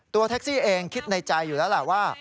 แท็กซี่เองคิดในใจอยู่แล้วแหละว่า